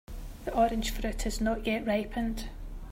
The orange fruit is not yet ripened.